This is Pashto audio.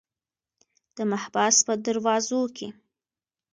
د محبس په دروازو کې.